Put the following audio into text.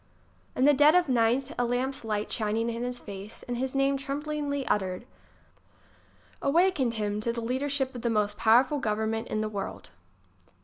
In the dead of night a lamp's light shining in his face, and his name tremblingly uttered, awakened him to the leadership of the most powerful govern ment in the world.